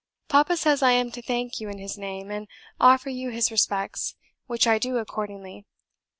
Papa says I am to thank you in his name, and offer you his respects, which I do accordingly.